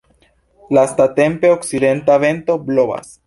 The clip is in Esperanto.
Lastatempe okcidenta vento blovas.